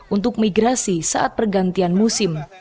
untuk migrasi saat pergantian musim